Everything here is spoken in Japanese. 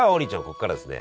ここからはですね